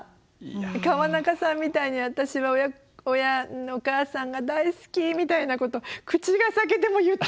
川中さんみたいに私は親お母さんが大好きみたいなこと口が裂けても言ったことがないので。